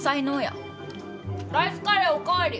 ライスカレーお代わり。